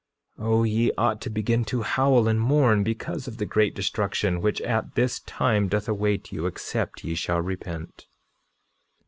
9:22 O ye ought to begin to howl and mourn, because of the great destruction which at this time doth await you, except ye shall repent.